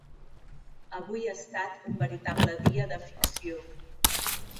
Avui ha estat un veritable dia de ficció.